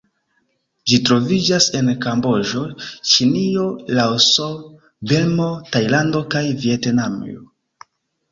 Ĝi troviĝas en Kamboĝo, Ĉinio, Laoso, Birmo, Tajlando kaj Vjetnamio.